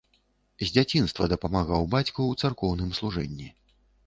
З дзяцінства дапамагаў бацьку ў царкоўным служэнні.